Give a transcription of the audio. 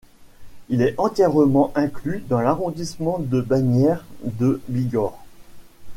Il est entièrement inclus dans l'arrondissement de Bagnères-de-Bigorre.